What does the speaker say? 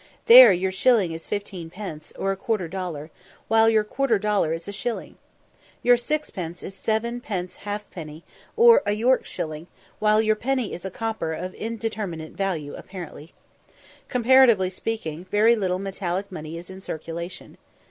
There your shilling is fifteen pence, or a quarter dollar; while your quarter dollar is a shilling. Your sixpence is seven pence half penny, or a "York shilling;" while your penny is a "copper" of indeterminate value apparently. Comparatively speaking, very little metallic money is in circulation.